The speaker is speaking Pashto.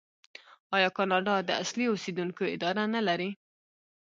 آیا کاناډا د اصلي اوسیدونکو اداره نلري؟